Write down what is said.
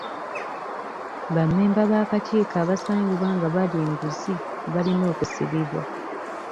Bammemba b'akakiiko abasangibwa nga balya enguzi balina okusibibwa.